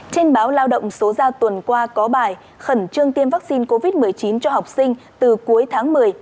trên báo lao động số ra tuần qua có bài khẩn trương tiêm vaccine covid một mươi chín cho học sinh từ cuối tháng một mươi